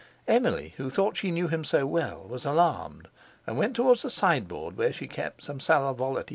Emily, who thought she knew him so well, was alarmed, and went towards the sideboard where she kept some sal volatile.